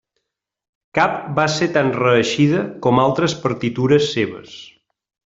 Cap va ser tan reeixida com altres partitures seves.